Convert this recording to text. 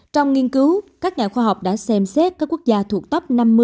trong nghiên cứu các nhà khoa học đã xem xét các quốc gia thuộc top năm mươi